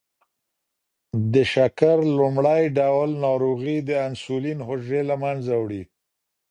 د شکر لومړی ډول ناروغي د انسولین حجرې له منځه وړي.